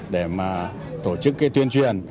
để tổ chức tuyên truyền